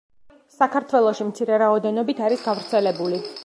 საქართველოში მცირე რაოდენობით არის გავრცელებული.